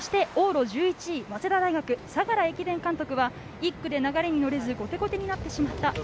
往路１１位早稲田大学、相楽駅伝監督は１区で流れに乗れず後手後手になってしまった。